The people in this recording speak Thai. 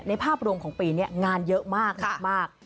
ในภาพรวงของปีนี้งานเยอะมาก